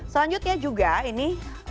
selanjutnya juga ini